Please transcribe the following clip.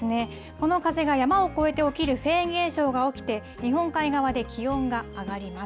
この風が山を越えて起きるフェーン現象が起きて、日本海側で気温が上がります。